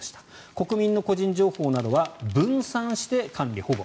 国民の個人情報などは分散して管理・保護。